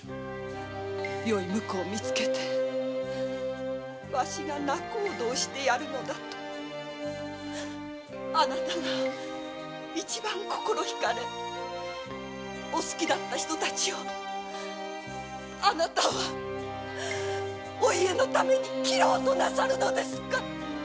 よい婿を見つけてワシが仲人をしてやるのだとあなたが一番心ひかれお好きだった人たちをお家のために切ろうとなさるのですか？